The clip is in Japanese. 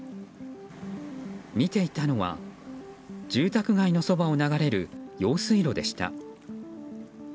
見ていたのは、住宅街のそばを流れる用水路でした。